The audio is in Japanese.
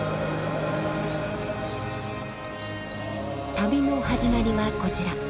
旅の始まりはこちら。